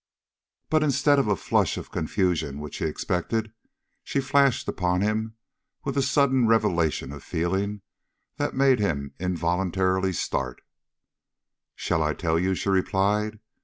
But instead of the flush of confusion which he expected, she flashed upon him with a sudden revelation of feeling that made him involuntarily start. "Shall I tell you?" she replied.